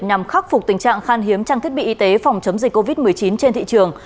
nhằm khắc phục tình trạng khan hiếm trang thiết bị y tế phòng chống dịch covid một mươi chín trên thị trường